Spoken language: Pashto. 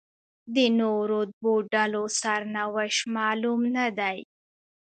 د نورو دوو ډلو سرنوشت معلوم نه دی.